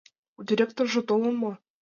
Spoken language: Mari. У директоржо толын мо?